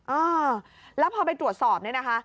อ้าวแล้วพอไปตรวจสอบนี่นะคะ